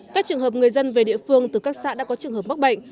các trường hợp người dân về địa phương từ các xã đã có trường hợp mắc bệnh